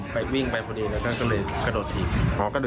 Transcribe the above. ไปวิ่งไปพอดีแล้วท่านก็เลยกระโดดถีบ